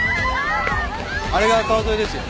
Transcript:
あれが川添ですよ。